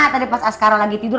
tadi pas askara lagi tidur